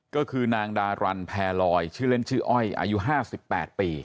ก็คือนางดารันแพรลอยชื่อเล่นชื่ออ้อยอายุ๕๘ปี